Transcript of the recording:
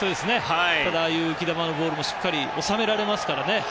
ああいう浮き球のボールもしっかり収められるので。